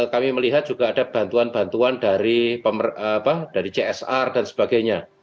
kami melihat juga ada bantuan bantuan dari csr dan sebagainya